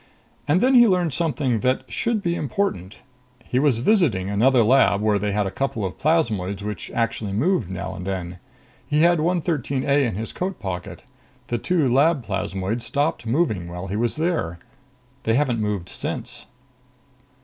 And then he learned something that should be important. He was visiting another lab where they had a couple of plasmoids which actually moved now and then. He had 113 A in his coat pocket. The two lab plasmoids stopped moving while he was there. They haven't moved since."